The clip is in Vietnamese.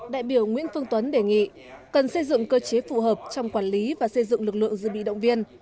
đại biểu nguyễn phương tuấn đề nghị cần xây dựng cơ chế phù hợp trong quản lý và xây dựng lực lượng dự bị động viên